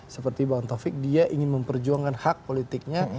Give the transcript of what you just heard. seperti bang taufik dia ingin memperjuangkan hak politiknya